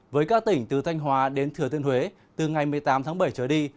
với các tỉnh từ thanh hòa đến thừa tiên huế từ ngày một mươi tám tháng bảy trở đi